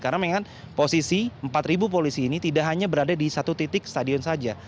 karena memang posisi empat polisi ini tidak hanya berada di satu titik stadion saja